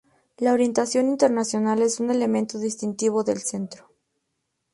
La orientación internacional es un elemento distintivo del centro.